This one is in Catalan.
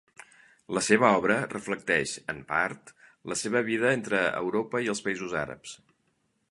La seva obra reflecteix, en part, la seva vida entre Europa i els països àrabs.